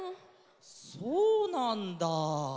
そうなんだ。